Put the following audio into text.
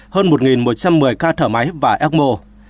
hơn một một trăm một mươi ca thở máy và ecmo